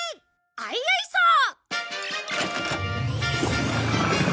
アイアイサー！